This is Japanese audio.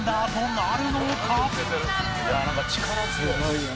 「なんか力強い」